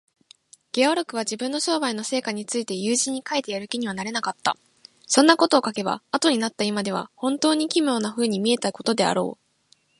ゲオルクは、自分の商売の成果について友人に書いてやる気にはなれなかった。そんなことを書けば、あとになった今では、ほんとうに奇妙なふうに見えたことであろう。